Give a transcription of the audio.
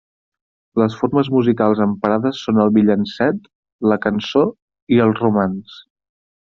Les formes musicals emprades són el villancet, la cançó i el romanç.